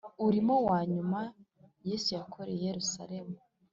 Umurimo wa nyuma Yesu yakoreye i Yerusalemu